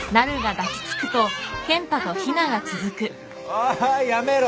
おいやめろ！